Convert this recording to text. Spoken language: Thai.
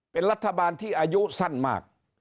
เป็นรัฐบาลที่อายุสั้นมาก